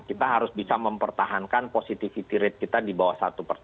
kita harus bisa mempertahankan positivity rate kita di bawah satu persen